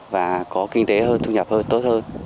và có kinh tế hơn thu nhập hơn tốt hơn